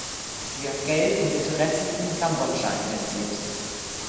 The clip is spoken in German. Sie hat Geld und Interessen in Kambodscha investiert.